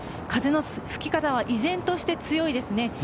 風の吹き方は依然として、強いですね。